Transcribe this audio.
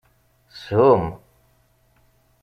Shum!